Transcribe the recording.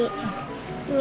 ini jadi penulis